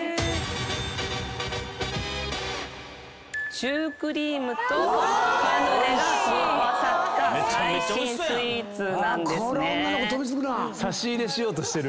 シュークリームとカヌレが合わさった最新スイーツなんですね。